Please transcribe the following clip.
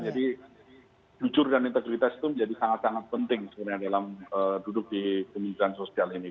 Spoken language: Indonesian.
jadi jujur dan integritas itu menjadi sangat sangat penting sebenarnya dalam duduk di kementerian sosial ini